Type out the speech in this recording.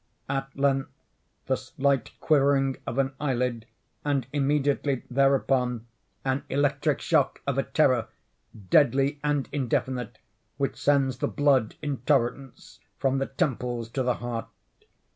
At length the slight quivering of an eyelid, and immediately thereupon, an electric shock of a terror, deadly and indefinite, which sends the blood in torrents from the temples to the heart.